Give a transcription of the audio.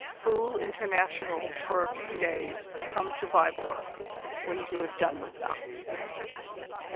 Fool International for a few days and come to Viborg when you have done with them.